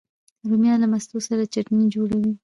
رومیان له مستو سره چټني جوړوي